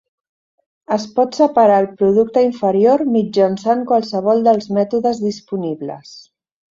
Es pot separar el producte inferior mitjançant qualsevol dels mètodes disponibles.